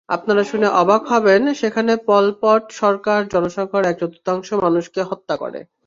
আপনারা শুনে অবাক হবেন, সেখানে পলপট সরকার জনসংখ্যার এক-চতুর্থাংশ মানুষকে হত্যা করে।